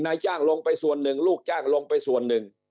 นายจ้างลงไปส่วนหนึ่งลูกจ้างลงไปส่วนหนึ่ง